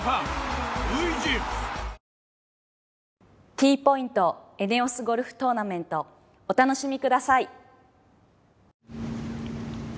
Ｔポイント×ＥＮＥＯＳゴルフトーナメントお楽しみください。